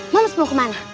mams mau kemana